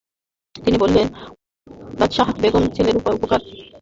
তিনি বললেনঃ বাদশাহর বেগমের ছেলের উপকার সাধনে সকলেই আগ্রহী।